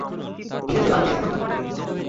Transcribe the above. এই জাতীয় গাছ দেখেছেন কখনো?